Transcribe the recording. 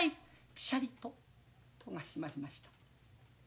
ぴしゃりと戸が閉まりました。